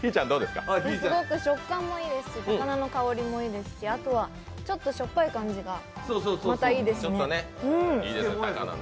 すごく食感もいいですし、高菜の香りもいいですし、あとはちょっとしょっぱい感じがまたいいですね。